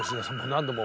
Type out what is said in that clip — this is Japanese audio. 何度も。